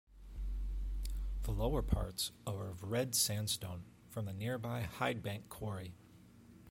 The lower parts are of red sandstone from the nearby Hyde Bank quarry.